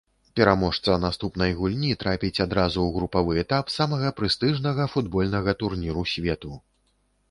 Пераможца наступнай гульні трапіць адразу ў групавы этап самага прэстыжнага футбольнага турніру свету.